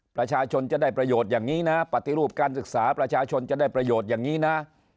ประชาชนจะได้ประโยชน์อย่างนี้นะปฏิรูปการศึกษาประชาชนจะได้ประโยชน์อย่างนี้นะ